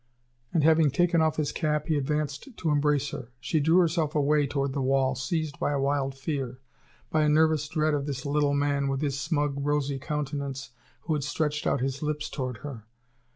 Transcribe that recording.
And having taken off his cap, he advanced to embrace her. She drew herself away toward the wall, seized by a wild fear, by a nervous dread of this little man, with his smug, rosy countenance, who had stretched out his lips toward her.